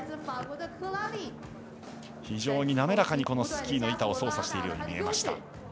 非常に滑らかにスキーの板操作しているように見えました。